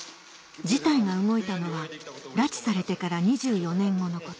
事態が動いたのは拉致されてから２４年後のこと